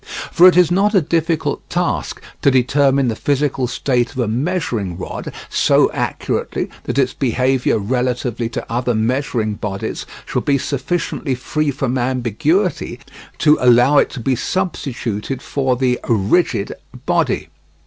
For it is not a difficult task to determine the physical state of a measuring rod so accurately that its behaviour relatively to other measuring bodies shall be sufficiently free from ambiguity to allow it to be substituted for the "rigid" body.